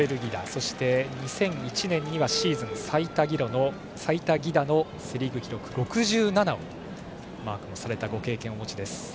そして２００１年にはシーズン最多犠打のセ・リーグ記録６７をマークされたご経験をお持ちです。